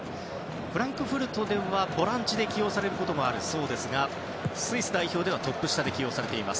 フランクフルトではボランチで起用されるそうですがスイス代表ではトップ下で起用されています。